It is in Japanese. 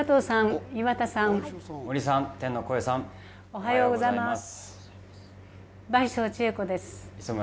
おはようございます。